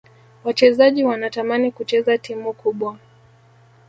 wachezaji wanatamani kucheza timu kubwa